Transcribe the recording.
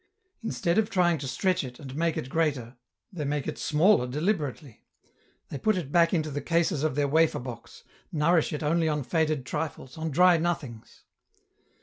Instead of trying to stretch it, and make it greater, they make it smaller 272 EN ROUTE. deliberately ; they put it back into the cases of their wafer box, nourish it only on faded trifles, on dry nothings.